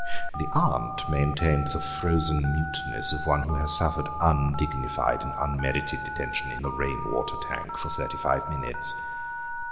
The aunt maintained the frozen muteness of one who has suffered undignified and unmerited detention in a rain water tank for thirty five minutes.